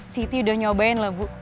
siti udah nyobain lah bu